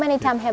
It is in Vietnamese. văn hóa ở đây